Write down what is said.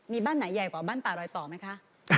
มีบ้านไหนใหญ่กว่าบ้านป่ารอยต่อไหมคะ